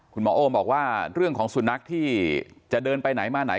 หมอโอมบอกว่าเรื่องของสุนัขที่จะเดินไปไหนมาไหน